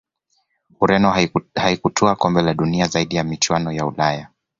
Ureno haikutwaa kombe la dunia zaidi ya michuano ya Ulaya